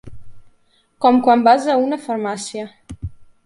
Com quan vas a una farmàcia.